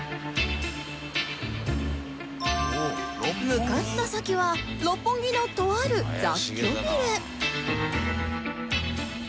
向かった先は六本木のとある雑居ビル